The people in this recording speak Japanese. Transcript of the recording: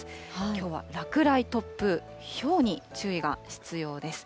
きょうは落雷、突風、ひょうに注意が必要です。